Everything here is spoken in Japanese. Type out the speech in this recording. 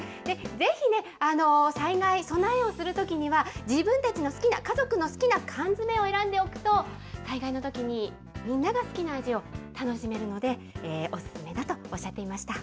ぜひね、災害、備えをするときには、自分たちの好きな、家族の好きな缶詰を選んでおくと、災害のときに、みんなが好きな味を楽しめるので、お勧めだとおっしゃっていました。